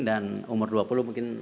dan umur dua puluh mungkin